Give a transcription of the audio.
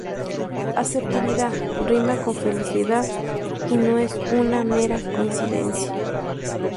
Asertividad rima con felicidad y no es una mera coincidencia.